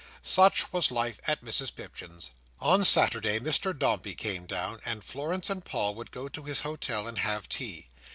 Such was life at Mrs Pipchin's. On Saturday Mr Dombey came down; and Florence and Paul would go to his Hotel, and have tea.